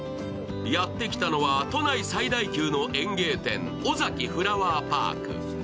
やってきたのは、都内最大級の園芸店、オザキフラワーパーク。